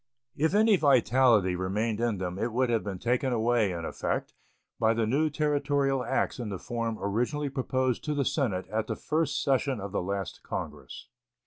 If any vitality remained in them it would have been taken away, in effect, by the new Territorial acts in the form originally proposed to the Senate at the first session of the last Congress.